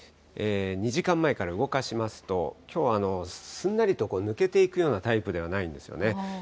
２時間前から動かしますと、きょうはすんなりと抜けていくようなタイプではないんですよね。